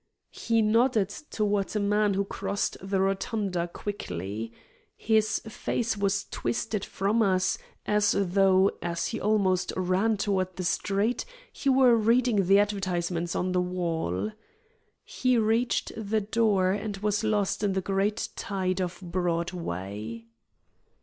He nodded toward a man who crossed the rotunda quickly. His face was twisted from us, as though, as he almost ran toward the street, he were reading the advertisements on the wall. He reached the door, and was lost in the great tide of Broadway.